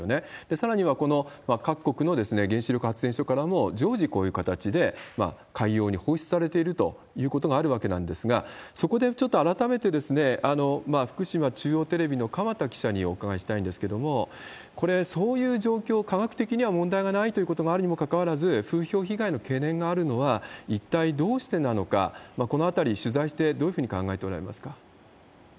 さらには、この各国の原子力発電所からも、常時こういう形で海洋に放出されているということがあるわけなんですが、そこでちょっと改めてですね、福島中央テレビの鎌田記者にお伺いしたいんですけれども、これ、そういう状況、科学的には問題がないということことがあるにもかかわらず、風評被害の懸念があるのは一体どうしてなのか、このあたり取材して、どういうふうに考えておられますか？